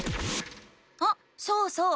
あそうそう！